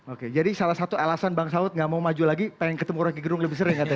oke jadi salah satu alasan bang sahut gak mau maju lagi pengen ketemu roky gerung lebih sering